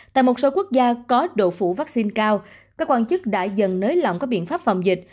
tại một số quốc gia có độ phủ vaccine cao các quan chức đã dần nới lỏng các biện pháp phòng dịch